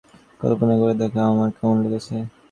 কল্পনা করে দেখো আমার কেমন লেগেছে।